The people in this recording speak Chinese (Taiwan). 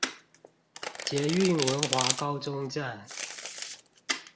捷運文華高中站